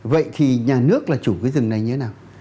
vậy thì nhà nước là chủ cái rừng này như thế nào